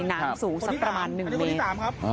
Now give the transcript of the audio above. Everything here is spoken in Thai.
หนามสูงสักประมาณหนึ่งแมตร